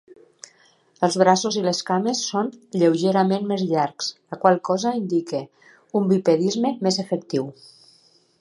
Els braços i les cames són lleugerament més llargs, la qual cosa indica un bipedisme més efectiu.